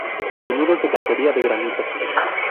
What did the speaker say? El muro es de cantería de granito.